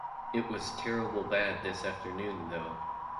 It was terrible bad this afternoon, though.